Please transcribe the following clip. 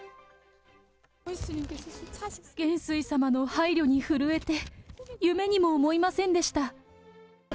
元帥様の配慮に震えて、夢にも思いませんでした。